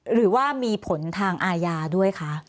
หรือว่ามีผลทางอาญาด้วยคะ